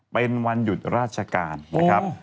เป็นวันหยุดราชการนะครับ